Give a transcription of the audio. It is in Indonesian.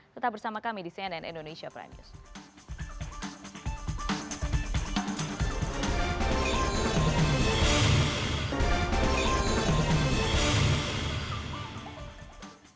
tetap bersama kami di cnn indonesia prime news